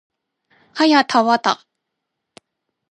はやたわた